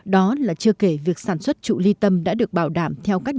đó là chưa kể việc sản xuất trụ ly tâm đã được bảo đảm